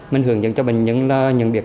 mình hướng dẫn cho bệnh nhân là nhận biết